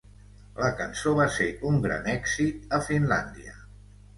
La cançó va ser un gran èxit a Finlàndia.